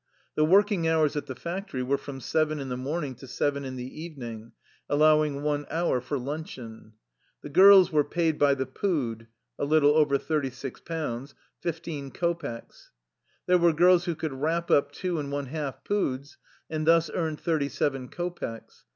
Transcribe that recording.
The working hours at the factory were from seven in the morning to seven in the evening, allowing one hour for luncheon. The girls were paid by the pood ^— fifteen kopecks. There were girls who could wrap up two and one half poods, and thus earned thirty seven ko pecks.